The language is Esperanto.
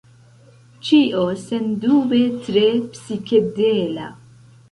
Ĉio sendube tre psikedela.